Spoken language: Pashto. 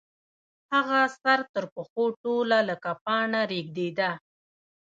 هغه سر تر پښو ټوله لکه پاڼه رېږدېده.